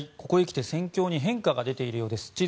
ここにきて戦況に変化が出ているようです。